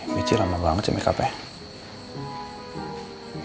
bici lama banget sih makeupnya